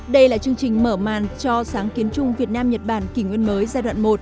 đây là chương trình mở màn cho sáng kiến chung việt nam nhật bản kỷ nguyên mới giai đoạn một